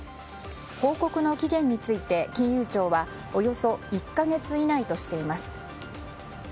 報告の期限について金融庁はおよそ１か月以内としています。